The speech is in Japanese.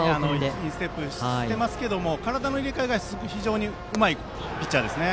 インステップしていますが体の入れ替えが非常にうまいピッチャーですね。